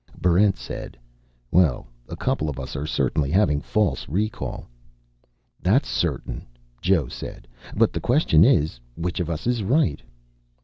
Barrent said, "Well, a couple of us are certainly having false recall." "That's certain," Joe said. "But the question is, which of us is right?"